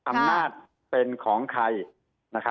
อำนาจเป็นของใคร